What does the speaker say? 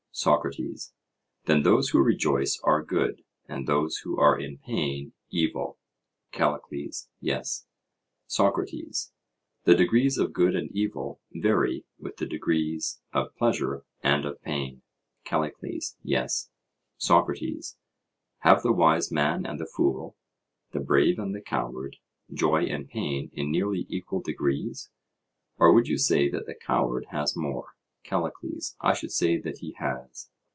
SOCRATES: Then those who rejoice are good, and those who are in pain evil? CALLICLES: Yes. SOCRATES: The degrees of good and evil vary with the degrees of pleasure and of pain? CALLICLES: Yes. SOCRATES: Have the wise man and the fool, the brave and the coward, joy and pain in nearly equal degrees? or would you say that the coward has more? CALLICLES: I should say that he has.